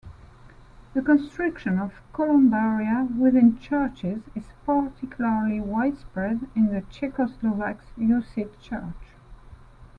The construction of columbaria within churches is particularly widespread in the Czechoslovak Hussite Church.